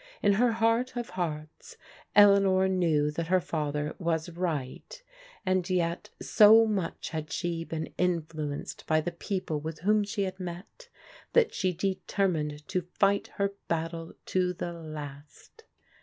In her heart of hearts, Eleanor knew that her father was right, and yet so much had she been influenced by the people with whom she had met, that she determined to fight her battle to the last.